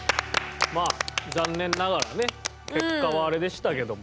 まあ残念ながらね結果はあれでしたけども。